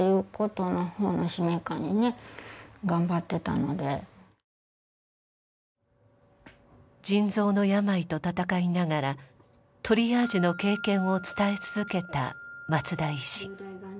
それを腎臓の病と闘いながらトリアージの経験を伝え続けた松田医師。